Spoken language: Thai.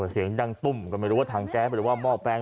เสียงดังตุ้มก็ไม่รู้ว่าทางแก๊สหรือว่าหม้อแปลง